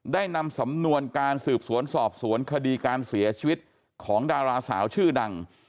ได้นำสำนวนการสืบสวนสอบสวนคดีการเสียชีวิตของดาราสาวชื่อดัง